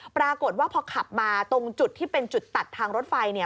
ปรากฏว่าพอขับมาตรงจุดที่เป็นจุดตัดทางรถไฟเนี่ย